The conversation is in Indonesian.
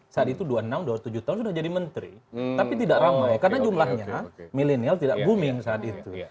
saat itu dua puluh enam dua puluh tujuh tahun sudah jadi menteri tapi tidak ramai karena jumlahnya milenial tidak booming saat itu